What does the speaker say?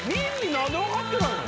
何でわかってないの？